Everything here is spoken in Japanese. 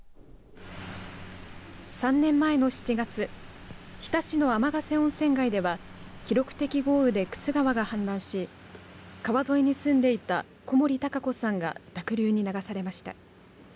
３年前の７月日田市の天ヶ瀬温泉街では記録的豪雨で玖珠川が氾濫し川沿いに住んでいた小森孝子さんが濁流に流されました。